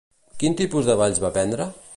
Quin tipus de balls va aprendre?